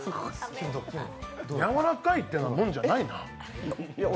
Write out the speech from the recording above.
柔らかいってなもんじゃないな。